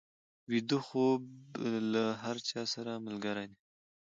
ویده خوب له هر چا سره ملګری دی